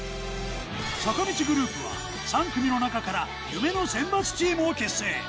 坂道グループは、３組の中から夢の選抜チームを結成。